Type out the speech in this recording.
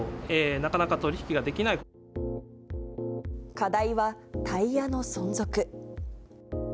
課題はタイヤの存続。